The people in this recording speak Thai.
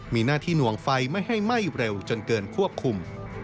มีหน้าที่หน่วงไฟไม่ให้ไหม้เร็วจนเกินควบคุม